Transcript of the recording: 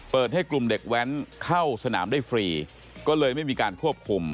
ให้กลุ่มเด็กแว้นเข้าสนามได้ฟรีก็เลยไม่มีการควบคุม